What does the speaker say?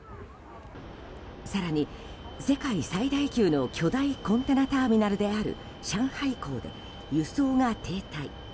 更に、世界最大級の巨大コンテナターミナルである上海港で、輸送が停滞。